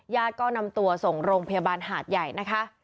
ก็นำตัวส่งโรงพยาบาลหาดใหญ่นะคะ